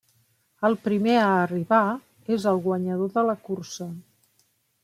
El primer a arribar és el guanyador de la cursa.